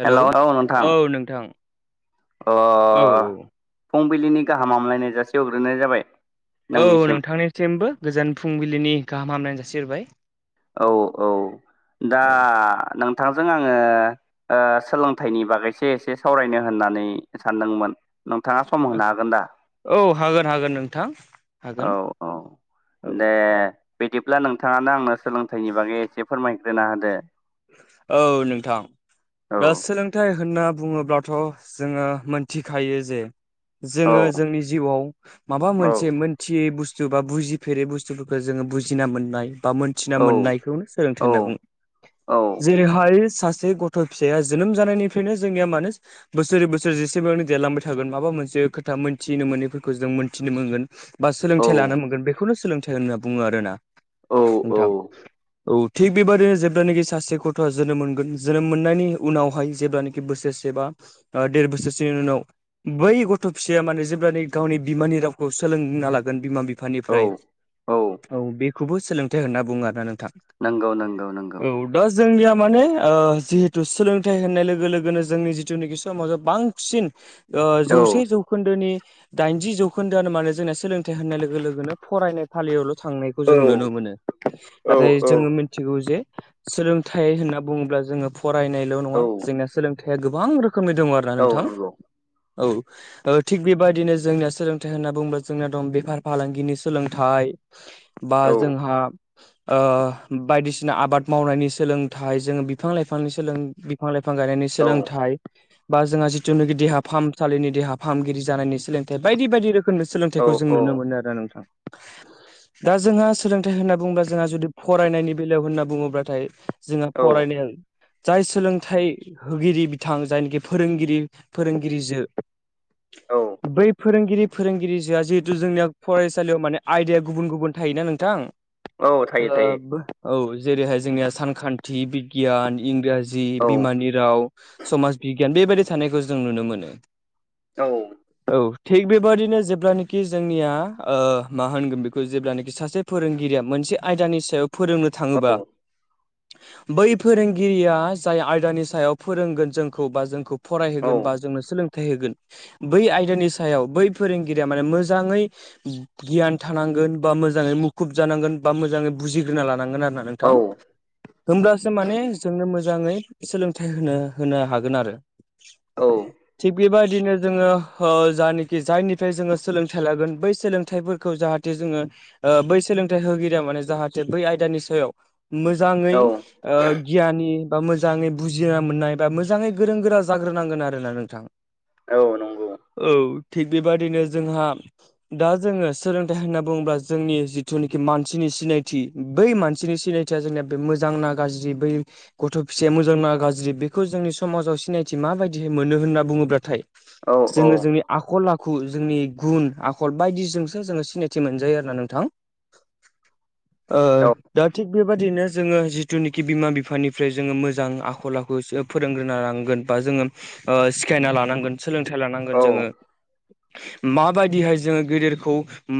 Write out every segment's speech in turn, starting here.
Hello hello औ नोंथां औ नोंथां अ। औ फुंबिलिनि गाहामलायनाय जासे हवग्रोनाय जाबाय। औ नोंनिसिम नोंथांनिसिमबो गोजान फुंबिलिनि गाहाम हामलायनाय जासिहबाय। औ औ दा नोंथांजों आङो ओ सोलोंथाइनि बागैसो एसे सावरायनो होननानै सानदोंमोन। नोंथाङा सम होनो हागोन दा औ हागोन हागोन नोंथां हागोन औ औ। औ दे बिदिब्ला नोंथाङानो आंनो सोलोंथाइनि बागै एसे फोरमायग्रोना होदो। औ नोंथां दा सोलों थाइ होनना बुङोब्लाथ' जोङो मोनथिखायो जे औ जोङो जोंनि जिउआव माबा औ मोनसे मोनथियै बुस्थु सोरबा बुजिफेरै बुस्थुफोरखौ जोङो बुजिना मोननाय बा औ मोन्थिना मोननायखौनो सोलोंथाइ औ होनना बुङो। औ जेरैहाय सासे गथ' फिसाया जोनोम जानायनिफ्रायनो जोंनिया मानो बोसोरै बोसोर जेसेबांनो देरलांबाय थागोन माबा मोनसे खोथा मोन्थिनो मोनैफोरखौ जों मोन्थिनो मोनगोन। बा औ सोलोंथाइ लानो मोनगोन बेखौनो सोलोंथाइ होनना बुङो आरो ना। औ औ। औ थिग बेबादिनो जोब्लानो [unintelligible] सासे गथ'आ जोनोम मोनगोन जोनोम मोननायनि उनावहाय जेब्लानोखि बोसोरसे बा ओ देर बोसोरसोनि उनाव बै गथ' फिसाया माने जेब्लानो गावनि बिमानि रावखौ सोलोंना लागोन बिमा-बिफा औ बिफानिफ्राय औ बेखौबो सोलोंथाइ होनना बुङो आरोना नोंथां। नंगौ नंगौ नंगौ। औ दा जोंनिया माने ओ जिहेथु सोलोंथाइ होननाय लोगो लोगोनो जोंनि जिथुनाखि समाजा बां सिन औ जौसे जौ जौखोन्दोनि दाइनजि जौखोन्दोआनो माने जोंनिया सोलोंथाइ होननाय लोगो लोगोनो फरायनाय फालियावल' थांनाय खौ जों नुनो मोनो औ नाथाय जोङो मिथिगौ जे सोलोंथाइ होनना बुङोब्ला जोङो फरायनायल' औ नङा जोंनाया सोलोंथाइया गोबां रोखोमनि दं आरो। ना औ नोंथां नंगौ औ। ओ थिग बेबायदिनो जोंनिया सोलोंथाइ होनना बुङोब्ला जोंनिया दं बेफार फालांगिनि सोलोंथाइ [inaudible] बा जोंहा ओ बायदिसिना आबाद मावनायनि सोलोंथाइ जोङो बिफां-लाइफांनि सोंलों बिफां-लाइफां गायनायनि औ सोलोंथाइ बा जोंहा जिथुनाखि देहा फाहामसालिनि देहा फाहामगिरि जानायनि सोलोंथाइ बायदि बायदि रोखोम नो औ सोलोंथाइखौ जों नुनो मोनो आरो नोंथां। दा जोंहा सोलोंथाइ होनना बुंङोबा जोंहा जुदि फरायनायनि बेलायाव होनना बुङोब्लाथाय जोंहा औ फरायदों जाय सोलोंथाइ होगिरि बिथां जायनोखि फोरोंगिरि फोरोंगिरिजो औ बै फोरोंगिरि फोरोंगिरिजोआ जिहेतु जोंनिया फरायसालियाव माने आयदाया गुबुन गुबुन थायोना नोंथां औ थायो ओ थायो औ जेरैहाय जोंनिया सानखान्थि, बिगियान, इंराजि जि औ बिमानि राव, समाज बिगियान बेबायदि थानायखौ जों नुनो मोनो औ औ थिग बेबादिनो जेब्लानोाखि जोंनिया ओ मा होनगोन बेखौ जेब्लानोाखि सासे फोरोंगिरिया मोनसे आयदानि सायाव फोरोंनो थाङोबा बै फोरोंगिरिया जाय आयदानि सायाव फोरोंगोन जोंखौ बा जोंखौ औ फरायहोगोन बा जोंनो सोलोंथाइ होगोन बै आयदानि सायाव बै फोरोंगिरिया माने मोजाङै गियान थानांगोन बा मोजाङै मुखुब जानांगोन बा मोजाङै बुजिग्रोना लानांगोन आरो ना नोंथां होमब्लासो माने जोंनो मोजाङै सोलोंथाइ होनो होनो हागोन आरो [inaudible] थिग बेबायदिनो जोङो ओ जानोखि जायनिफ्राय जोङो सोलोंथाइ लागोन बै सोलोंथाइफोर खौ जाहाथे जोङो ओ बै सोलोंथाइ होगिरिया माने जाहाथे बै आयदानि सायाव मोजाङै औ ओ गियानि बा मोजाङै बुजिना मोननाय बा मोजाङै गोरों गोरा जाग्रोनांगोन आरोना नोंथां नंगौ औ थिग बेबादिनो जोंहा दा जोङो सोलोंथाइ होनना बुङोब्ला जोंनि जिथुनोखि मानसिनि सिनायथि बै मानसिनि सिनायथि थिया जोंनिया बे मोजां ना गाज्रि बै गथ' फिसाया मोजांना गाज्रि बेखौ जोंनि समाजाव सिनायथि माबायदि मोनो होनना बुङोब्लाथाय औ जोङो औ जोंनि आखल-आखु जोंनि गुन आखल बायदिजोंसो जोङो सिनायथि मोनजायो आरोना नोंथां [inaudible] ओ दा थिग बेबादिनो जोङो जिथुनिखि बिमा-बिफानिफ्राय जोङो मोजां आखल-आखुसो फोरोंग्रोना लानांगोन बा जोङो ओ सिखायना लानांगोन सोलोंथाइ औ लानांगोन जोङो माबायदिहाय जोङो गेदेरखौ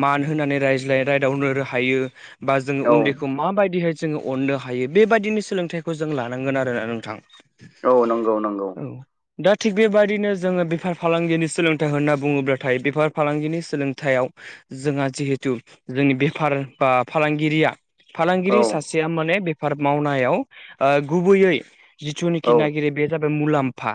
मान होनानै रायज्लाय रायदावनो हायो बा जोङो औ उन्दैखौ माबाय है जोङो अननो हायो बेबायदिनो सोलोंथाइखौ जों लानांगोन आरोना नोंथां औ नंगौ नंगौ दा थिग बेबायदिनो जोङो बेफार फालांगिनि सोलोंथाइ होनना बुङोब्लाथाय बेफार फालांगिनि सोलोंयाइयाव जोंहा जिहेथु जोंनि बेफार बा फालांगिरिया औ फालांगिरि सासेया माने बेफार मावनायाव ओ गुबैयै औ जिथुनिखि नागिर बे जाबाय मुलाम्फा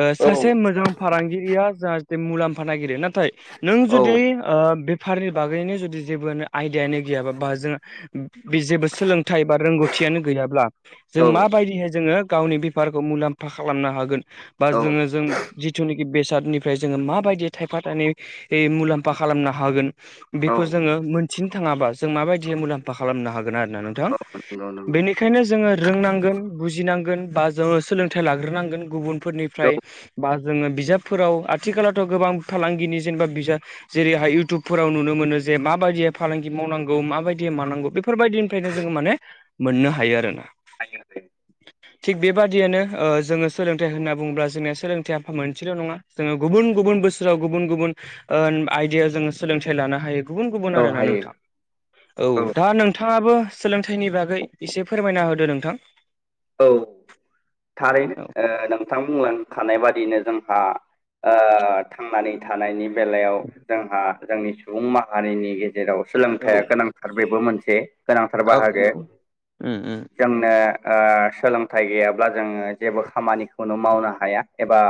ओ औ सासे मोजां फालांगिरिया जाहाथे मुलाम्फा नागिरो नाथाय नों जुदि ओ बेफारनि बागैनो जुदि जेबोआनो आयदायानो गैयाबा बा जों बि जेबो सोलोंथाइ बा रोंगौथियानो गैयाब्ला औ जों माबायदिहाय जोङो गावनि बेफारखौ मुलाम्फा खालामनो हागोन बा औ जोङो जों जिथुनिखि बेसादनिफ्राय जोङो माबायदि थायफा-थाइनै ए मुलाम्फा खालामनो हागोन बेखौ नंगौ जोङो मोनथिनो थाङाबा जों माबायदि मुलाम्फा खालामनो हागोन आरोना नों थां नंगौ बेनि औ खायनो जोङो रोंनांगोन बुजिनांगोन बा जोङो सोलोंथाइ लाग्रोनांगोन गुबुन फोरनिफ्राय बा जोङो बिजाबफोराव आथिखालावथ' गोबां फालांगिनि जेनेबा बिजाब जेरैहाय इउटुबफोराव नुनो मोनो जे माबायदि फालांगि मावनांगौ माबायदि मानां गौ बेफोरबायदिनिफ्रायनो जोङो माने मोननो हायो आरोना [inaudible] थिग बेबादियानो जोङो सोलोंथाइ होनना बुङोब्ला जोंनिया सोलोंथाइ फा मोनसेल' नङा। जोङो गुबुन गुबुन बोसोराव गुबुन गुबुन ओ आयदायाव जोङो सोलोंथाइ लानो हायो। गुबुन औ गुबुन आरोना हायो नोंथां औ। दा नोंथाङाबो सोलोंथाइनि बागै एसे फोरमायना होदो नोंथां। औ थारैनो औ ओ नोंथां बुंलांखानाय बादिनो जोंहा ओ थांनानै थानायनि बेलायाव जोंहा जोंनि सुबुं माहारिनि गेजेराव औ सोलोंथाइया गोनां बेथार बेबो मोनसे गोनांथार औ बाहागो नंगौ उम उम जोंनो ओ सोलोंथाइ गैयाब्ला जोङो जेबो खामानिखौनो मावनो हाया एबा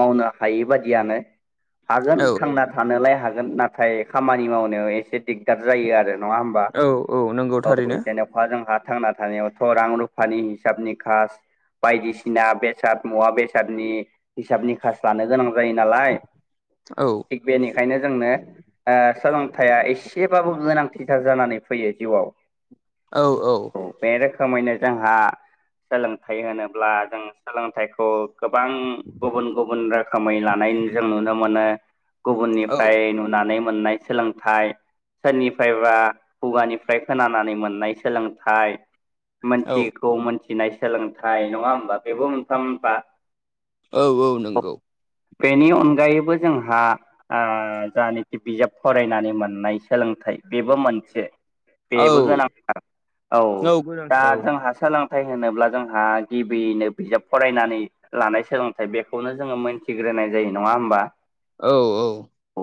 मावनो हायि बादियानो औ हागोन थांना थानोलाय हागोन नाथाय खामानि मावनायाव एसे दिग्दार जायो आरो। नङा होमबा औ औ नंगौ औ थारैनो जेनेखवा जोंहा थांना थानायावथ' रां रुफानि हिसाब निखास बायदिसिना बेसाद मुवा बेसादनि हिसाब नि खास लानो गोनां जायो नालाय औ थिग बेनिखायनो जोंनो ओ सोलोंथाइया एसेबाबो गोनांथिथार जानानै फैयो जिउआव। औ औ बे रोखोमैनो जोंहा सोलोंथाइ होनोब्ला जों सोलोंथाइखौ गोबां गुबुन गुबुन रो खोमै लानाय जों नुनो मोनो औ गुबुननिफ्राय नुनानै मोननाय सोलोंथाइ सोरनिफ्रायबा खुगानिफ्राय खोनानानै मोननाय सोलोंथाइ औ मोनथियिखौ मोनथिनाय सोलोंथाइ नङा ओमबा बेबो मोनफा मोनफा औ औ नंगौ। बेनि अनगायैबो जोंहा ओ जानोखि बिजाब फरायनानै मोननाय सोलोंथाइ बेबो मोनसे। औ बेबो गोनांथार औ दा गोनांथार औ जोंहा सोलों थाइ होनोब्ला जोंहा गिबियैनो बिजाब फरायनानै लानाय सोलोंथाइ बेखौनो जोङो मोनथिग्रोनाय जायो नङा ओमबा? औ औ औ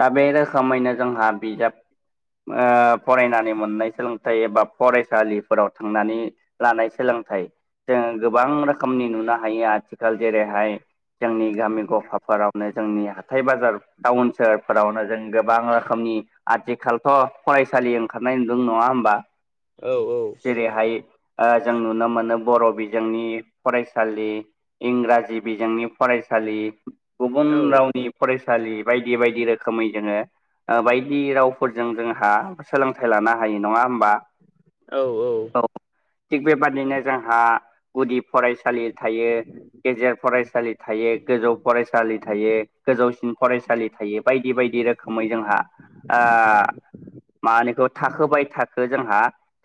दा बे रोखोमैनो जोंहा बिजाब ओ फरायनानै मोननाय सोलोंथाइ एबा फरायसालिफोराव थांनानै लानाय सोलोंथाइ जोङो गोबां रोखोमनि नुनो हायो आथिखाल जेरैहाय जोंनि गामि गफाफोरावनो जोंनि हाथाय बाजार टाउन सोहोरफोरावनो जों गोबां रोखोमनि आथिखालथ' फरायसालि ओंखारनाय नुदों नङा होमबा औ जेरैहाय ओ जों नुनो मोनो बर' बिजोंनि फरायसालि इंराजि बिजोंनि फरायसालि गुबुन औ रावनि फरायसालि बायदि बायदि रोखोमै जोङो ओ बायदि रावफोरजों जोंहा सोलोंथाइ लानो हायो नङा ओमबा औ औ थिग बेबादिनो जोंहा गुदि फरायसालि थायो। गेजेर फरायसालि थायो गोजौ फरायसालि थायो गोजौसिन फरायसालि थायो बायदि बायदि रो खोमै जोंहा ओ मा होनोखौ थाखोबाय थाखो जोंहा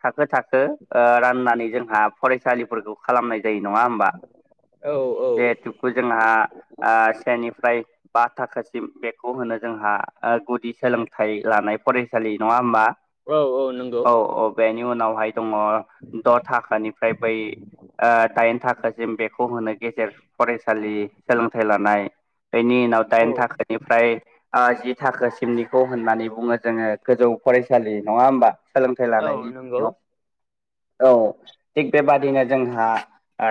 थाखो थाखो ओ राननानै जोंहा फरायसालिफोरखौ खालामनाय जायो नङा ओमबा औ जिहेतुबो जोंहा ओ सेनिफ्राय बा थाखोसिम बेखौ होनो जोंहा ओ गुदि सोलोंथाइ लानाय फरायसालि नङा ओमबा? औ नंगौ औ औ बेनि उनावहाय दङ द' थाखानिफ्राय बै ओ दाइन थाखासिम बेखौ होनो गेजेर फरायसालि सोलोंथाइ लानाय बेनि उनाव औ दाइन थाखोनिफ्राय ओ जि थाखोसिमनिखौ होननानै बुङो जोङो गोजौ फरायसालि नङा ओमबा? सोलोंथाइ औ लानायनि नंगौ बिथिङाव औ थिग बेबादिनो जोंहा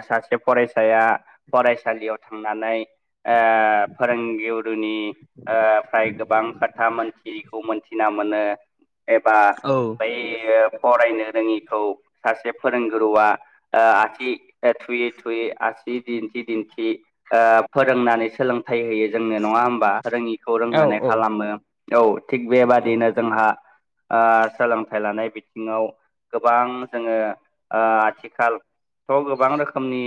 सासे फरायसाया फरायसालियाव थांनानै ओ फोरोंगिरिुनि ओ फ्राय गोबां खोथा मोनथियखौ मोनथिना मोनो एबा औ बै फरायनो रोङिखौ सासे फोरोंगुरुआ ओ आसि थुयै थुयै आसि दिन्थि दिन्थि ओ फोरोंनानै सोलोंथाइ होयो जोंनो नङा होमबा रोङिखौ औ रोंहोनाय खालामो औ थिग औ बेबादिनो जोंहा ओ सोलोंथाइ लानाय बिथिङाव गोबां जोङो ओ आथिखाल थ' गोबां रोखोमनि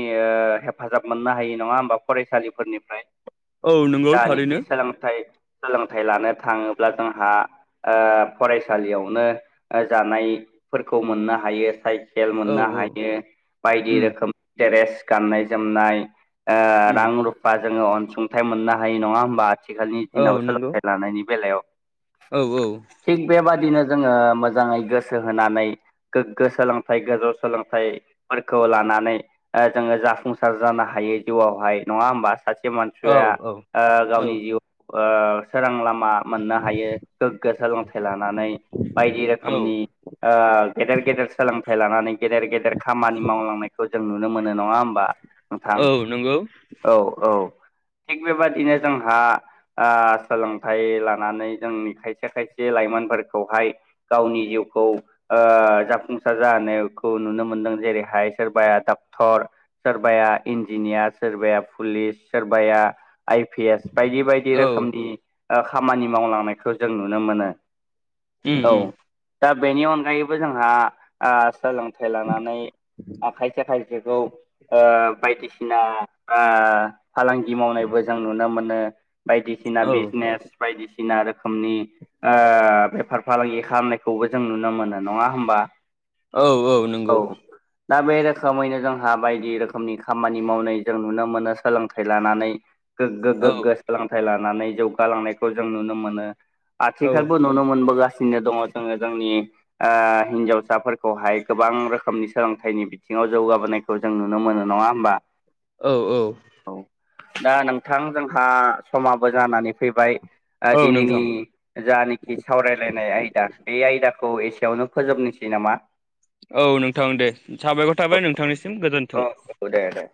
हेफाजाब मोननो हायो नङा होमबा फरायसालिफोरनिफ्राय औ नंगौ जानिखि थारैनो सोलोंथाइ सोलोंथाइ लानो थाङोब्ला जोंहा ओ फरायसालियावनो जानायफोरखौ मोननो हायो साइकेल औ मोननो औ हायो बायदि उम रोखोमनि द्रेस गाननाय जोमनाय ओ उम रां रुफा जोङो अनसुंथाइ मोननो हायो नङा होमबा आथिखालनि औ दिनाव नंगौ सोलोंथाइ लानायनि बेलायाव औ औ थिग बेबादिनो जोङो मोजाङै गोसो होनानै गोग्गो सोलोंथाइ गोजौ सोलोंथाइ फोरखौ लानानै जोङो जाफुंसार जानो हायो जिउआवहाय नङा होमबा सासे मान औ सिया औ ओ औ गावनि जिउ ओ सोरां लामा मोननो हायो गोग्गो सोलोंथाइ लानानै बायदि रोखोमनि औ ओ गेदेर गेदेर सोलोंथाइ लानानै गेदेर गेदेर खामानि मावलांनायखौ जों नुनो मोनो नङा होमबा नोंथां औ नंगौ औ औ थिग बेबादिनो जोंहा आ सोलोंथाइ लानानै जोंनि खायसे खायसे लाइमोनफोरखौहाय गावनि जिउखौ ओ जाफुं सार जानायखौ नुनो मोन्दों जेरैहाय सोरबाया डक्टर सोरबाया इन्जिनियार सोरबाया पुलिस सोरबाया आइ पि एस बायदि बायदि औ रोखोमनि खामानि मावलांनायखौ जों नुनो मोनो उम औ उम दा बेनि अनगायैबो जोंहा आ सोलोंथाइ लानानै खायसे खायसे खौ ओ बायदिसिना ओ फालांगि मावनायबो जों नुनो मोनो बायदिसिना औ बिजनेस बायदिसिना रोखोमनि ओ बेफार फालांगि खालामनायखौबो जों नुनो मोनो नङा होमबा? औ औ नंगौ दा बे रोखोमैनो जोंहा बायदि रोखोमनि खामानि मावनाय जों नुनो मोनो सोलोंथाइ लानानै गोग्गो औ गोग्गो सोलोंथाइ लानानै जौगालांनायखौ जों नुनो मोनो औ आथिखालबो नुनो मोनबोगासिनो दङ जोङो जोंनि ओ हिनजावसाफोर खौहाय गोबां रोखोमनि सोलोंथाइनि बिथिङाव जौगाबोनायखौ जों नुनो मोनो नङा होमबा औ औ औ दा नोंथां जोंहा समाबो जानानै फैबाय ओ औ दिनैनि नोंथां जानखि सावरायलायनाय आयदा बे आयदाखौ एसेयावनो फोजोबनोसै नामा औ नोंथां दे साबायखर औ थाबाय नोंथांनिसिम औ गोजोन्थों औ दे दे